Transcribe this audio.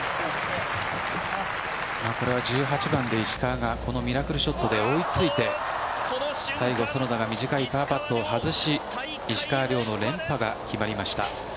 これは１８番で石川がミラクルショットで追いついて、最後園田が短いパーパットを外し石川遼の連覇が決まりました。